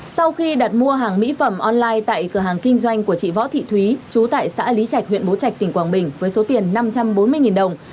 sau khi đặt mua hàng mỹ phẩm online tại cửa hàng kinh doanh của chị võ thị thúy trú tại xã lý trạch huyện bố trạch tỉnh quảng bình với số tiền năm trăm bốn mươi đồng